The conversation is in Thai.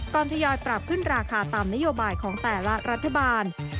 ทยอยปรับขึ้นราคาตามนโยบายของแต่ละรัฐบาล